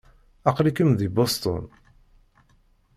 Aql-ikem deg Boston.